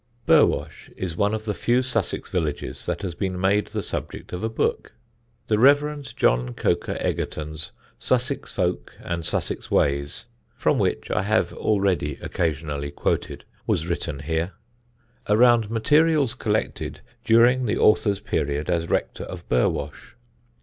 Burwash is one of the few Sussex villages that has been made the subject of a book. The Rev. John Coker Egerton's Sussex Folk and Sussex Ways (from which I have already occasionally quoted) was written here, around materials collected during the author's period as rector of Burwash.